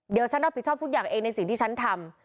เดี๋ยวฉันรับผิดชอบทุกอย่างเองในสิ่งที่ฉันทำ